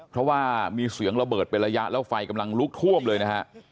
เพราะว่ามีเสียงระเบิดเป็นระยะแล้วไฟกำลังลุกท่วมเลยนะฮะ